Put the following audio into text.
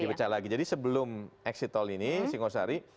ada di pecah lagi jadi sebelum exit tol ini singosari